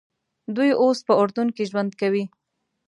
دوی اوس په اردن کې ژوند کوي.